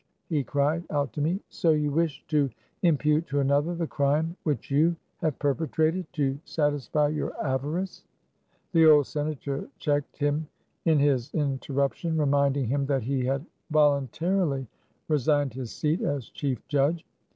" he cried out to me, " so you wish to im pute to another the crime which you have perpe trated to satisfy your avarice !" The old senator checked him in his interruption, reminding him that he had voluntarily resigned his seat as chief judge.